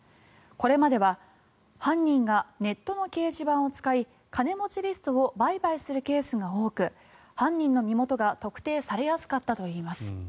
これまでは犯人がネットの掲示板を使い金持ちリストを売買するケースが多く犯人に身元が特定されやすかったといいます。